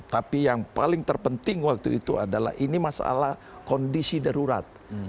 tapi yang paling terpenting waktu itu adalah ini masalah kondisi darurat